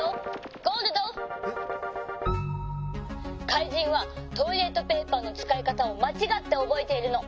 「かいじんはトイレットペーパーのつかいかたをまちがっておぼえているの」。